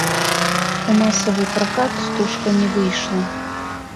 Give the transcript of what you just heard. У масавы пракат стужка не выйшла.